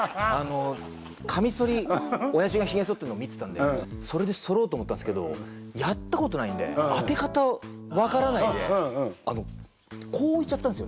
かみそりおやじがひげそってるのを見てたんでそれでそろうと思ったんですけどやったことないんで当て方分からないでこういっちゃったんですよ。